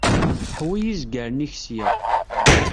Ḥwi izgaren-ik sya.